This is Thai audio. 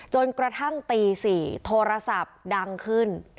จนกระทั่งตี๔โทรศัพท์ดังขึ้น